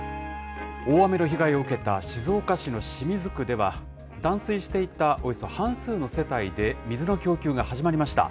大雨の被害を受けた、静岡市の清水区では、断水していたおよそ半数の世帯で、水の供給が始まりました。